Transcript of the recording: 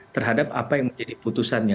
terhadap apa yang menjadi putusannya